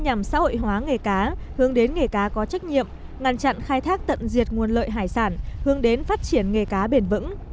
nhằm xã hội hóa nghề cá hướng đến nghề cá có trách nhiệm ngăn chặn khai thác tận diệt nguồn lợi hải sản hướng đến phát triển nghề cá bền vững